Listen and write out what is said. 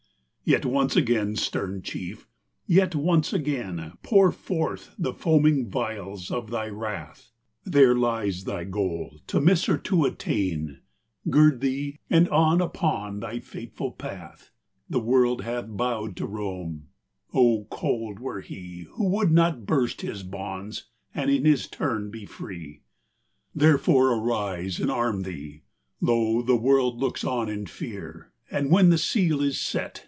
Alaric at Rome. XV. Yet once again, stern Chief, yet once again, Pour forth the foaming vials of thy wrath : There lies thy goal, to miss or to attain, Gird thee, and on upon thy fateful path, The world hath bowed to Rome, oh ! cold were he Who would not burst his bonds, and in his turn be free. XVI. Therefore arise and arm thee ! lo, the world Looks on in fear ! and when the seal is set.